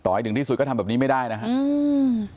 ให้ถึงที่สุดก็ทำแบบนี้ไม่ได้นะครับ